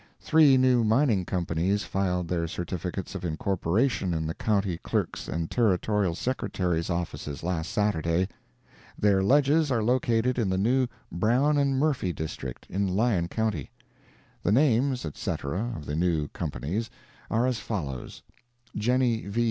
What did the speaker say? Three new mining companies filed their certificates of incorporation in the County Clerk's and Territorial Secretary's offices last Saturday. Their ledges are located in the new Brown & Murphy District, in Lyon county. The names, etc., of the new companies are as follows: Jennie V.